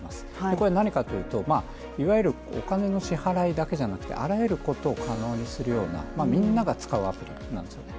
これが何かというといわゆるお金の支払いだけじゃなくてあらゆることを可能にしようと、みんなが使うアプリなんですよね。